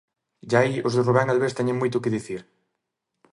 E aí, os de Rubén Albés teñen moito que dicir.